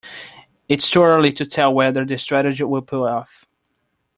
It's too early to tell whether the strategy will pay off.